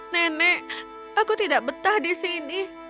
nenek aku tidak betah di sini